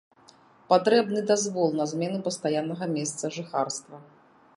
Патрэбны дазвол на змену пастаяннага месца жыхарства.